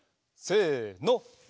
せの。